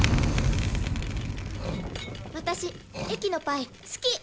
私駅のパイ好き！